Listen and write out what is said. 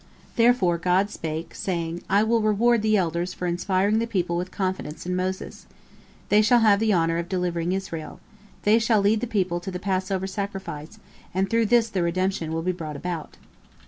Therefore God spake, saying: "I will reward the elders for inspiring the people with confidence in Moses. They shall have the honor of delivering Israel. They shall lead the people to the Passover sacrifice, and through this the redemption will be brought about."